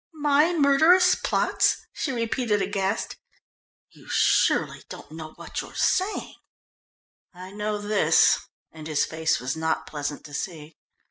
"My murderous plots?" she repeated aghast. "You surely don't know what you're saying." "I know this," and his face was not pleasant to see.